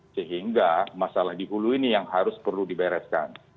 sehingga masalah di hulu ini yang harus perlu dibereskan